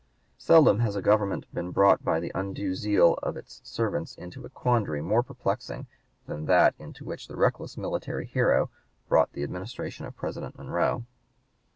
Seldom has a government been brought by the undue zeal of its servants into a quandary more perplexing than that into which the reckless military hero brought the Administration of President Monroe.